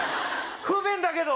不便だけど。